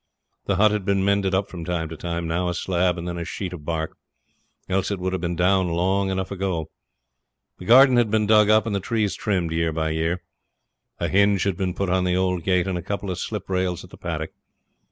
The hut had been mended up from time to time now a slab and then a sheet of bark else it would have been down long enough ago. The garden had been dug up, and the trees trimmed year by year. A hinge had been put on the old gate, and a couple of slip rails at the paddock.